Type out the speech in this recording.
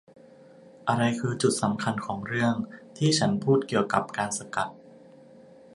อะไรคือจุดสำคัญของเรื่องที่ฉันพูดเกี่ยวกับการสกัด ?